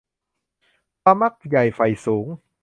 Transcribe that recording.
ความมักใหญ่ใฝ่สูง